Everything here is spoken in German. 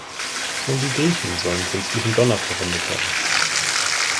Schon die Griechen sollen künstlichen Donner verwendet haben.